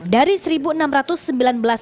dari seribu paspor